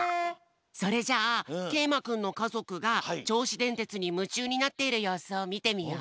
それじゃあけいまくんのかぞくがちょうしでんてつにむちゅうになっているようすをみてみよう。